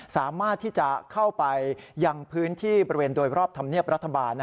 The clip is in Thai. สามารถที่จะเข้าไปยังพื้นที่บริเวณโดยรอบธรรมเนียบรัฐบาล